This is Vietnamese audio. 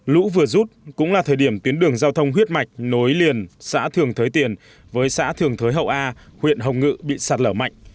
lũ vừa rút cũng là thời điểm tuyến đường giao thông huyết mạch nối liền xã thường thới tiền với xã thường thới hậu a huyện hồng ngự bị sạt lở mạnh